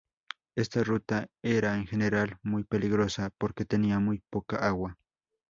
Esta ruta era en general muy peligrosa porque tenía muy poca agua.